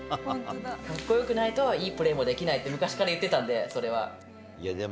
かっこよくないといいプレーもできないって、昔から言ってたんで、それは。